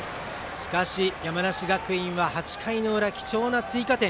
しかし、山梨学院は８回の裏、貴重な追加点。